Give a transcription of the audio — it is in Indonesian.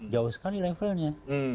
jauh sekali levelnya